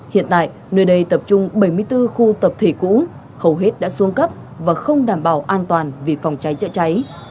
hiện tại nơi đây tập trung bảy mươi bốn khu tập thể cũ hầu hết đã xuống cấp và không đảm bảo an toàn vì phòng cháy chữa cháy